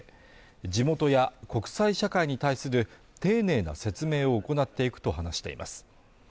地元や国際社会に対する丁寧な説明を行っていくと話しています。